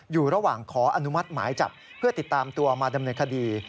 อยู่ระหว่างขออนุมัติหมายจับเพื่อติดตามตัวมาดำเนินคดี